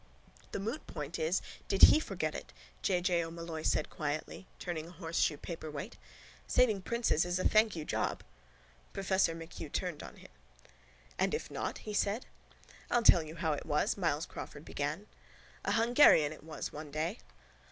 —The moot point is did he forget it, J. J. O'Molloy said quietly, turning a horseshoe paperweight. Saving princes is a thank you job. Professor MacHugh turned on him. —And if not? he said. —I'll tell you how it was, Myles Crawford began. A Hungarian it was one day...